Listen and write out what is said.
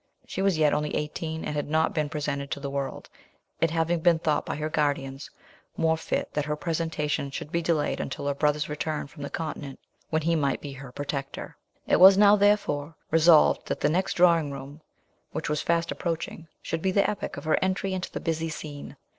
She was yet only eighteen, and had not been presented to the world, it having been thought by her guardians more fit that her presentation should be delayed until her brother's return from the continent, when he might be her protector. It was now, therefore, resolved that the next drawing room, which was fast approaching, should be the epoch of her entry into the "busy scene."